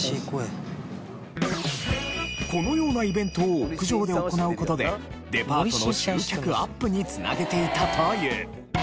このようなイベントを屋上で行う事でデパートの集客アップに繋げていたという。